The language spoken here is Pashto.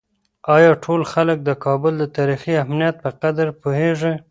آیا ټول خلک د کابل د تاریخي اهمیت په قدر پوهېږي؟